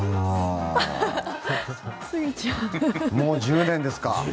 もう１０年ですか。